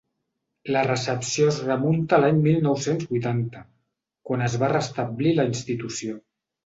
La recepció es remunta a l’any mil nou-cents vuitanta, quan es va restablir la institució.